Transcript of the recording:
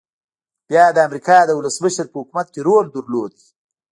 بيا يې د امريکا د ولسمشر په حکومت کې رول درلود.